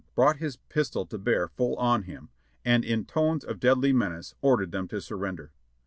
brought his pistol to bear full on him, and in tones of deadly menace ordered them to surrender.